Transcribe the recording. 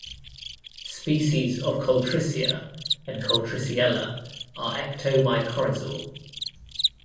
Species of "Coltricia" and "Coltriciella" are ectomycorrhizal.